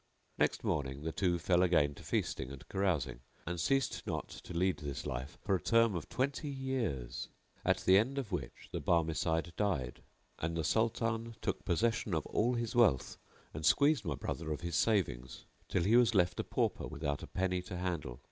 Next morning the two fell again to feasting and carousing, and ceased not to lead this life for a term of twenty years; at the end of which the Barmecide died and the Sultan took possession of all his wealth and squeezed my brother of his savings, till he was left a pauper without a penny to handle.